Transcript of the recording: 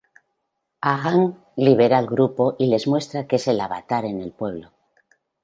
Aang libera al grupo y les muestra que es el Avatar en el pueblo.